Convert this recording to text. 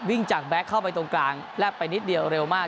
วิ่งจากแก๊กเข้าไปตรงกลางแลบไปนิดเดียวเร็วมาก